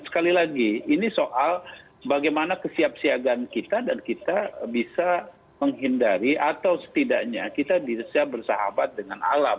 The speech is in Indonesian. sekali lagi ini soal bagaimana kesiapsiagaan kita dan kita bisa menghindari atau setidaknya kita bisa bersahabat dengan alam